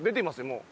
もう。